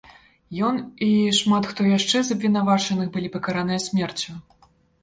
Ён і шмат хто яшчэ з абвінавачаных былі пакараныя смерцю.